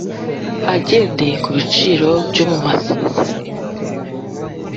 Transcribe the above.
agendeye ku biciro byo mu masezerano